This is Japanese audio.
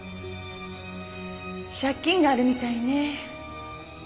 借金があるみたいね。